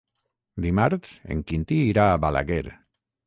Dimarts en Quintí irà a Balaguer.